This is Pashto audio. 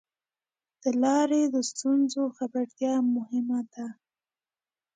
د لارې د ستونزو خبرتیا مهمه ده.